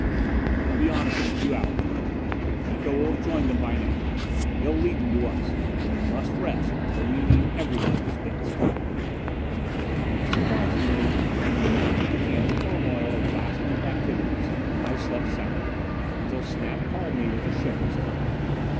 "They'll be on us in a few hours, Gregg. Miko will have joined them by now. He'll lead them to us. You must rest, for we need everyone at his best." And surprisingly, in the midst of the camp's turmoil of last minute activities, I slept soundly, until Snap called me that the ship was coming.